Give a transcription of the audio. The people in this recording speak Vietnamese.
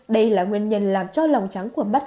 đây là nguyên nhân làm cho lòng trắng của mắt